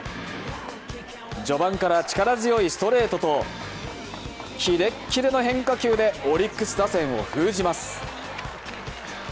序盤から力強いストレートとキレッキレの変化球でオリックス打線を封じます。